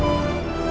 ya allah papa